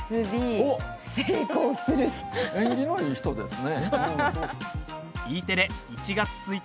縁起のいい人ですね。